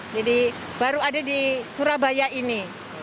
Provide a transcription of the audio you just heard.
jadi baru ada di surabaya ini